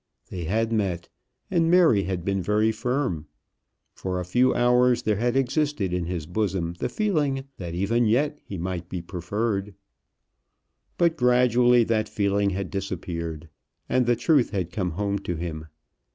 They had met, and Mary had been very firm. For a few hours there had existed in his bosom the feeling that even yet he might be preferred. But gradually that feeling had disappeared, and the truth had come home to him.